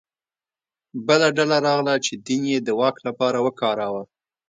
بله ډله راغله چې دین یې د واک لپاره وکاروه